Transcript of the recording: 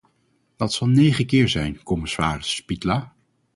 Dat zal de negende keer zijn, commissaris Špidla.